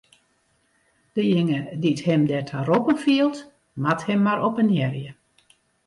Dejinge dy't him derta roppen fielt, moat him mar oppenearje.